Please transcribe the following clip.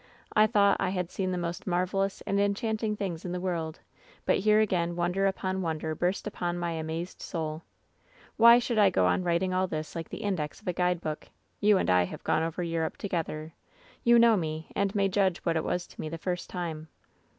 I thought I had sieen the most marvelous and en chanting things in the world, but here again wonder upon wonder burst upon my amazed soul. WHEN SHADOWS DIE 173 *^Wliy should I go on writing all this like the index of a ^idebook ? ^'You and I have gone over Europe together. Tou know me, and may judge what it was to me the first time.